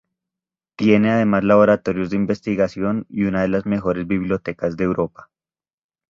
Tiene además laboratorios de investigación y una de las mejores bibliotecas de Europa.